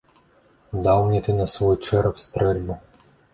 Даў мне ты на свой чэрап стрэльбу!